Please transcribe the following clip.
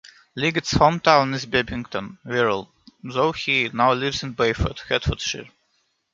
Liggett's home town is Bebington, Wirral, though he now lives in Bayford, Hertfordshire.